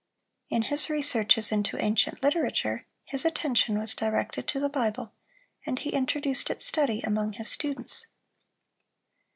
In his researches into ancient literature his attention was directed to the Bible, and he introduced its study among his students.